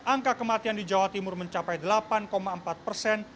angka kematian di jawa timur mencapai delapan empat persen